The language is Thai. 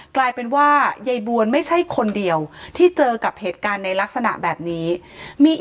กลายเป็นว่ายบวนไม่ใช่คนเดียวที่เจอกับเหตุการณ์ใน